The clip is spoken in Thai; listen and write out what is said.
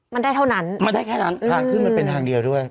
มันได้เท่านั้นมันได้แค่นั้นทางขึ้นมันเป็นทางเดียวด้วย